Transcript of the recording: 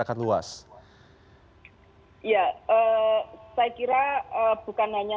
saya kira bukan hanya